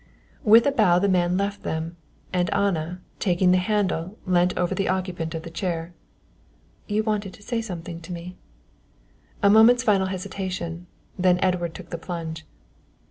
With a bow the man left them, and Anna, taking the handle, leant over to the occupant of the chair. "You wanted to say something to me?" A moment's final hesitation, then Edward took the plunge.